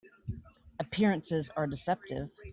Appearances are deceptive.